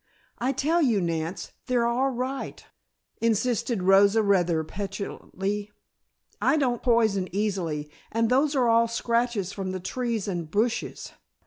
"I tell you, Nance, they're all right," insisted Rosa rather petulantly. "I don't poison easily and those are all scratches from the trees and bushes."